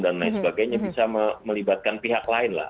dan lain sebagainya bisa melibatkan pihak lain lah